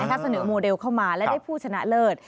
เสนอโมเดลเข้ามาและได้ผู้ชนะเลิศ